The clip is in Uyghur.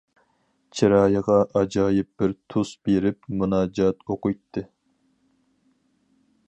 چىرايىغا ئاجايىپ بىر تۈس بېرىپ مۇناجات ئوقۇيتتى.